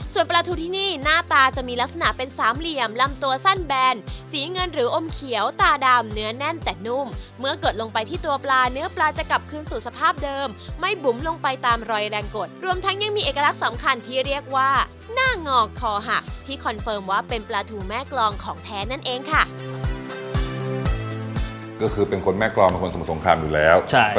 ส่วนปลาทูที่นี่หน้าตาจะมีลักษณะเป็นสามเหลี่ยมลำตัวสั้นแบนสีเงินหรืออมเขียวตาดำเนื้อแน่นแต่นุ่มเมื่อกดลงไปที่ตัวปลาเนื้อปลาจะกลับคืนสู่สภาพเดิมไม่บุ๋มลงไปตามรอยแรงกดรวมทั้งยังมีเอกลักษณ์สำคัญที่เรียกว่าหน้างอคอหักที่คอนเฟิร์มว่าเป็นปลาทูแม่กรองของแท้นั่นเองค่ะ